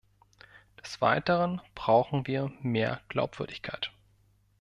Des Weiteren brauchen wir mehr Glaubwürdigkeit.